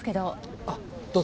あどうぞ。